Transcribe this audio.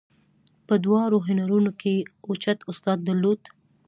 په دواړو هنرونو کې یې اوچت استعداد درلود.